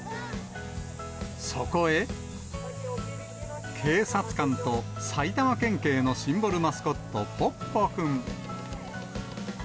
そこへ、警察官と、埼玉県警のシンボルマスコット、ポッポくん。